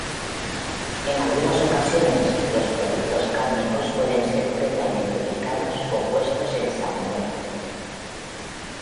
En algunas ocasiones, los productos cárnicos pueden ser previamente picados o puestos en salmuera.